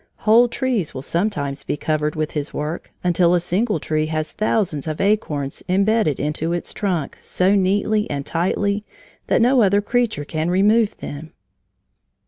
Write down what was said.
Whole trees will sometimes be covered with his work, until a single tree has thousands of acorns bedded into its bark so neatly and tightly that no other creature can remove them.